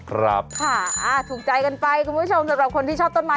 ครับค่ะอ่าถูกใจกันไปคุณผู้ชมสำหรับคนที่ชอบต้นไม้